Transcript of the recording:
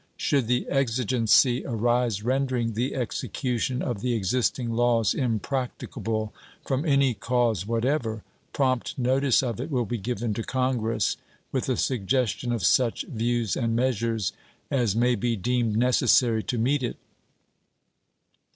Should the exigency arise rendering the execution of the existing laws impracticable from any cause what ever, prompt notice of it will be given to Congress, with a suggestion of such views and measures as may be deemed necessary to meet it.